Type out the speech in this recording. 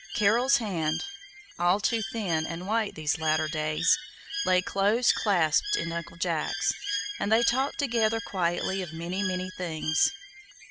Carol's hand (all too thin and white these latter days) lay close clasped in Uncle Jack's, and they talked together quietly of many, many things.